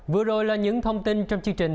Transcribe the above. vừa rồi là những thông tin trong chương trình